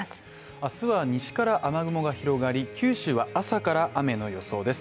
明日は西から雨雲が広がり、九州は朝から雨の予想です。